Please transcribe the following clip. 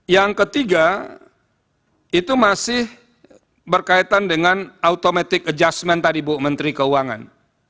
yang ketiga itu masih berkaitan dengan automatic adjustment tadi bu menteri keuangan